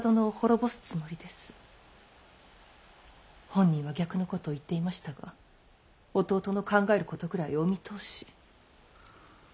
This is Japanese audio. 本人は逆のことを言っていましたが弟の考えることくらいお見通し。